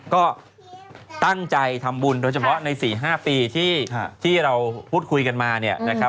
ก็ตั้งใจทำบุญโดยเฉพาะใน๔๕ปีที่เราพูดคุยกันมาเนี่ยนะครับ